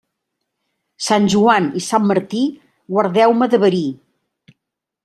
Sant Joan i Sant Martí, guardeu-me de verí.